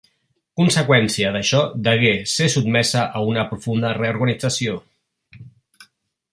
Conseqüència d'això, degué ser sotmesa a una profunda reorganització.